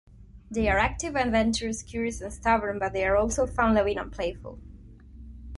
They are active, adventurous, curious, and stubborn, but they are also fun-loving and playful.